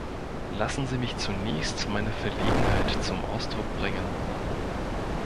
Lassen Sie mich zunächst meine Verlegenheit zum Ausdruck bringen.